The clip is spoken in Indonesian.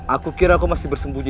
aku kira aku masih bersembunyi